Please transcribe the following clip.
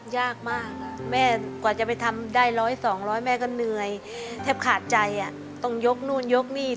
ยากมากแม่กว่าจะไปทำได้ร้อยสองร้อยแม่ก็เหนื่อยแทบขาดใจต้องยกนู่นยกนี่